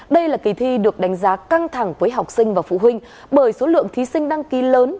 đây là kỳ thi được đánh giá căng thẳng với học sinh và phụ huynh bởi số lượng thí sinh đăng ký lớn